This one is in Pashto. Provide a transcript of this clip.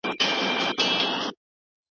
دا د بريا لار ده.